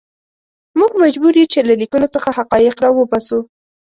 موږ مجبور یو چې له لیکنو څخه حقایق راوباسو.